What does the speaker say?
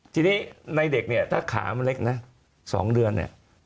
ทีนี้ในเด็กเนี่ยถ้าขามันเล็กนะ๒เดือนเนี่ย